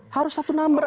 harus satu number aja